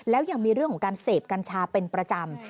แล้วยังมีเรื่องของการเสพกัญชาเป็นประจำ